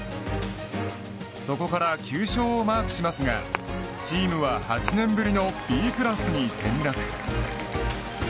そこから９勝をマークしますがチームは８年ぶりのＢクラスに転落。